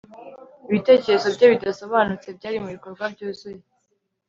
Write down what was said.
Ibitekerezo bye bidasobanutse byari mubikorwa byuzuye